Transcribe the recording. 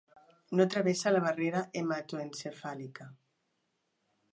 No travessa la barrera hematoencefàlica.